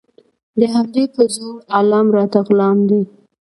د همدې په زور عالم راته غلام دی